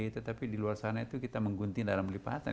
tetapi di luar sana itu kita menggunting dalam lipatan